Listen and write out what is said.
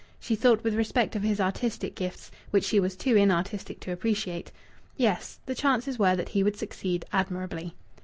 She thought with respect of his artistic gifts, which she was too inartistic to appreciate. Yes, the chances were that he would succeed admirably.